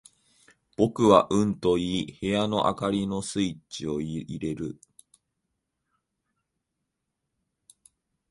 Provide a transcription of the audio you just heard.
僕はうんと言い、部屋の灯りのスイッチを入れる。